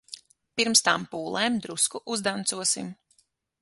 Pirms tām pūlēm drusku uzdancosim.